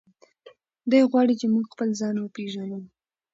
دی غواړي چې موږ خپل ځان وپیژنو.